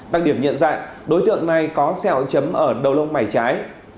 đặc điểm nhận dạng đối tượng này có sẹo chấm ở đầu lông mày trái